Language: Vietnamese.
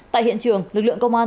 tại hiện trường lực lượng công an